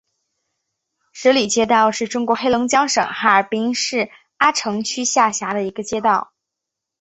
舍利街道是中国黑龙江省哈尔滨市阿城区下辖的一个街道。